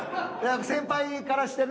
先輩からしてね。